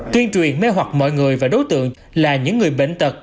tuyên truyền mê hoạt mọi người và đối tượng là những người bệnh tật